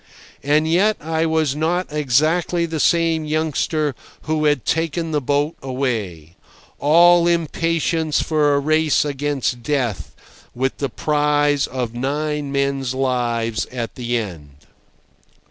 And yet I was not exactly the same youngster who had taken the boat away—all impatience for a race against death, with the prize of nine men's lives at the end.